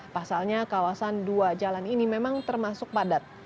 pasalnya kawasan dua jalan ini memang termasuk padat